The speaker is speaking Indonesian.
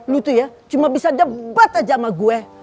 lu tuh ya cuma bisa debat aja sama gue